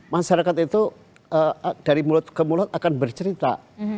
masyarakat itu dari mulut ke mulut akan bercerita